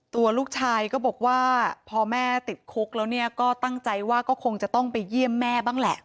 ตัวลูกชายก็บอกว่าพอแม่ติดคุกแล้วเนี่ยก็ตั้งใจว่าก็คงจะต้องไปเยี่ยมแม่บ้างแหละ